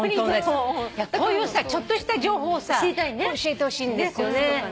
こういうちょっとした情報を教えてほしいんですよね。